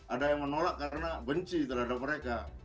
ada yang menolak karena benci terhadap mereka